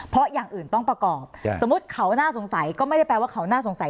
เพราะอย่างอื่นต้องประกอบสมมุติเขาน่าสงสัยก็ไม่ได้แปลว่าเขาน่าสงสัย